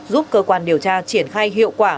giúp cơ quan điều tra triển khai hiệu quả